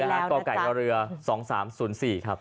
อย่าลืมด้านกรอบไก่รอเรือ๒๓๐๔ครับ